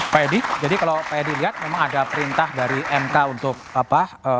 pak edi jadi kalau pak edi lihat memang ada perintah dari mk untuk apa